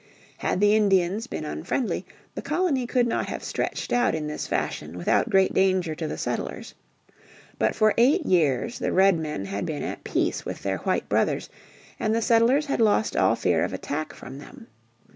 Had the Indians been unfriendly, the colony could not have stretched out in this fashion without great danger to the settlers. But for eight years the Redmen had been at peace with their white brothers, and the settlers had lost all fear of attack from them.